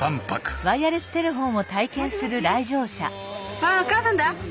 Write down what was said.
ああ母さんだ。